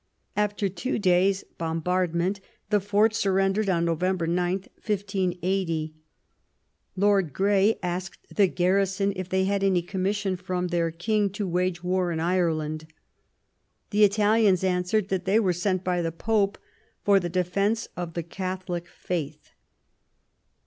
After two days' bombardment the fort surrendered on November 9, 1580. Lord Grey asked the garrison if they had any commission from their King to wage war in Ireland. The Italians answered that they were sent by the Pope for the defence of the Catholic faith.